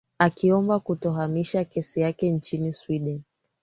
akiomba kutohamishia kesi yake nchini sweden